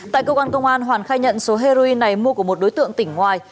tại cơ quan công an hoàn khai nhận số heroin này mua của một đối tượng tỉnh ngoài